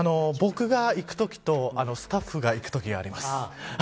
僕が行くときとスタッフが行くときがあります。